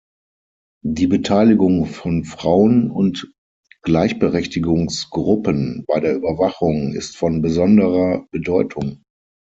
Die Beteiligung von Frauen und Gleichberechtigungsgruppen bei der Überwachung ist von besonderer Bedeutung.